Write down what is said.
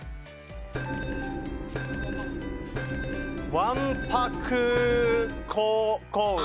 わんぱくこうち。